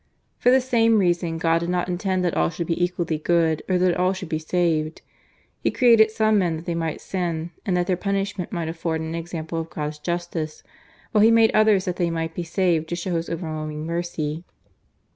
For the same reason God did not intend that all should be equally good or that all should be saved. He created some men that they might sin and that their punishment might afford an example of God's justice, while He made others that they might be saved to show His overwhelming mercy.